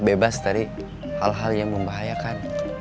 bebas dari hal hal yang membahayakan